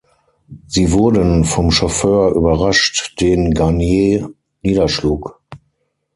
Sie wurden vom Chauffeur überrascht, den Garnier niederschlug.